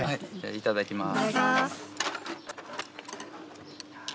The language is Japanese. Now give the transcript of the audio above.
いただきます。